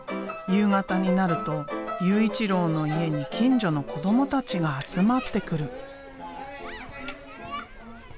夕方になると悠一郎の家に近所の子どもたちが集まってくる。